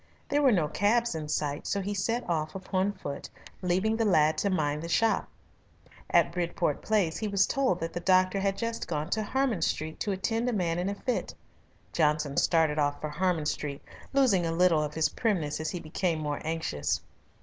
There were no cabs in sight so he set off upon foot, leaving the lad to mind the shop. At Bridport Place he was told that the doctor had just gone to Harman Street to attend a man in a fit. Johnson started off for Harman Street, losing a little of his primness as he became more anxious.